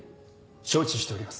承知しております。